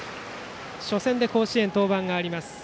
初戦で甲子園、登板があります